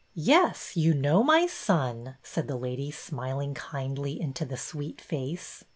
Yes, you know my son," said the lady, smil ing kindly into the sweet face.